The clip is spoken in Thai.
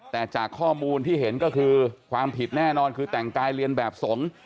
แต่จากข้อมูลที่เห็นก็คือความผิดแน่นอนคือแต่งกายเรียนแบบสงฆ์